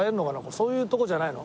そういうとこじゃないの？